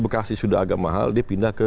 bekasi sudah agak mahal dia pindah ke